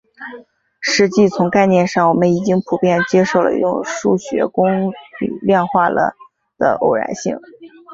实际从概念上我们已经普遍接受了用数学公理量化了的偶然性。